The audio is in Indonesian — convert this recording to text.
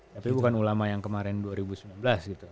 tapi bukan ulama yang kemarin dua ribu sembilan belas gitu